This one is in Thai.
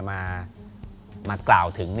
มากล่าวถึง